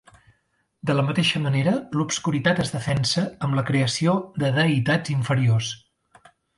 De la mateixa manera, l'obscuritat es defensa amb la creació de deïtats inferiors.